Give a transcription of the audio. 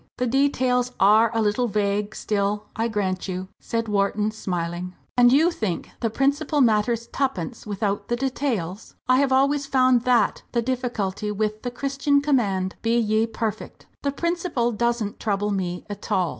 "The details are a little vague still, I grant you," said Wharton, smiling. "And you think the principle matters twopence without the details? I have always found that the difficulty with the Christian command, 'Be ye perfect.' The principle doesn't trouble me at all!"